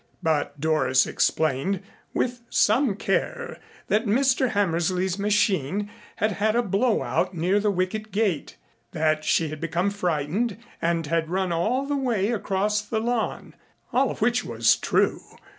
But Doris explained with some care that Mr. Hammersley's machine had had a blow out near the wicket gate, that she had become frightened and had run all the way across the lawn. All of which was true.